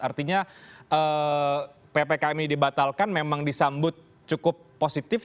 artinya ppkm ini dibatalkan memang disambut cukup positif